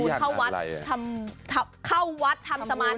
สมาธิทำบุญเยอะแยะมากมาย